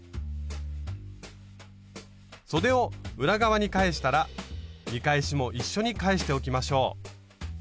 そでを裏側に返したら見返しも一緒に返しておきましょう。